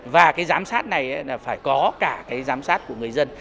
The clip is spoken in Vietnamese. và cái giám sát này là phải có cả cái giám sát của người dân